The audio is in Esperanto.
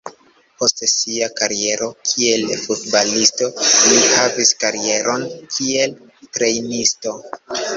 Post sia kariero kiel futbalisto, li havis karieron kiel trejnisto.